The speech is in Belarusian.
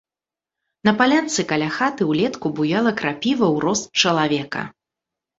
На палянцы каля хаты ўлетку буяла крапіва ў рост чалавека.